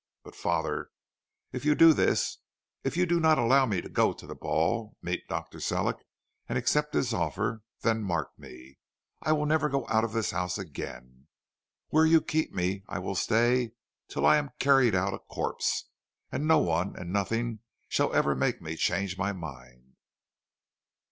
But, father, if you do this, if you do not allow me to go to the ball, meet Dr. Sellick, and accept his offer, then mark me, I will never go out of this house again. Where you keep me I will stay till I am carried out a corpse, and no one and nothing shall ever make me change my mind.'